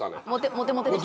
モテモテでした？